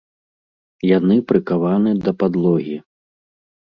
Яны прыкаваны да падлогі.